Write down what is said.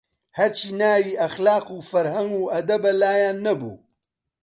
هەرچی ناوی ئەخلاق و فەرهەنگ و ئەدەبە لایان نەبوو